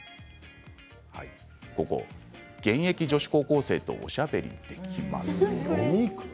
現役女子高校生とおしゃべりできます。